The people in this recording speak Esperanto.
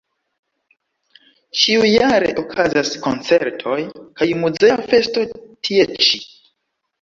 Ĉiujare okazas koncertoj kaj muzea festo tie ĉi.